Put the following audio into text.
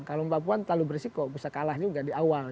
kalau mbak puan terlalu berisiko bisa kalah juga di awal